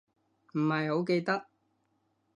唔係好記得